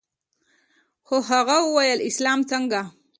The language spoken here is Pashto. خو هغه وويل اسلام څنگه.